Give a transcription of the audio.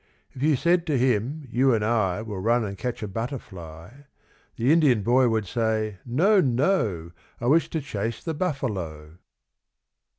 If you said to him, "You and I Will run and catch a butterfly," The Indian boy would say, "No! No! I wish to chase the buffalo."